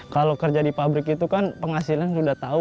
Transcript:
kalau kerja di pabrik itu kan penghasilan sudah tahu